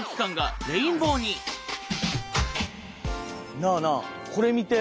なあなあこれ見て！